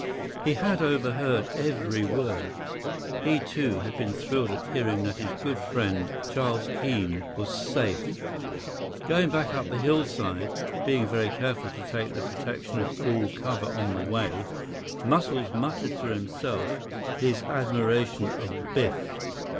He had overheard every word. He, too, had been thrilled at hearing that his good friend, Charles Keene, was safe. Going back up the hillside, being very careful to take the protection of all cover on the way, Muscles muttered to himself his admiration of Biff.